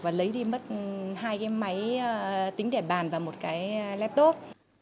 và lấy đi mất hai cái máy tính để bàn và một cái laptop